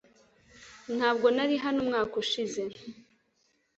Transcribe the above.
Ntabwo nari hano umwaka ushize .